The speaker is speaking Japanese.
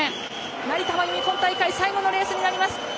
成田は今大会最後のレースになります。